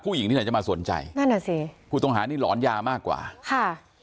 ผู้หญิงที่จะมาสนใจนั่นแหละสิผู้ตรงหานี่หลอนยามากกว่าค่ะ